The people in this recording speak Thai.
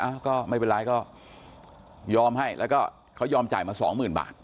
อ้าวก็ไม่เป็นไรก็ยอมให้แล้วก็เขายอมจ่ายมาสองหมื่นบาท